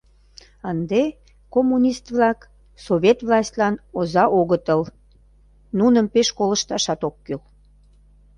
— Ынде коммунист-влак совет властьлан оза огытыл, нуным пеш колышташат ок кӱл.